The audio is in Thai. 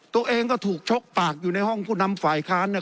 ตัวเองก็ถูกชกปากอยู่ในห้องผู้นำฝ่ายค้านเนี่ย